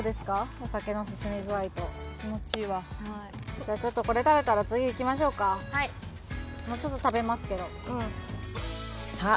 お酒の進み具合と気持ちいいわじゃあちょっとこれ食べたら次いきましょうかはいもうちょっと食べますけどさあ